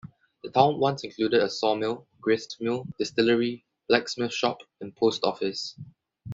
The town once included a sawmill, gristmill, distillery, blacksmith shop, and post office.